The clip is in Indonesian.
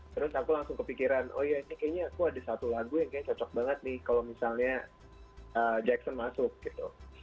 terus aku langsung kepikiran oh iya ini kayaknya kok ada satu lagu yang kayaknya cocok banget nih kalau misalnya jackson masuk gitu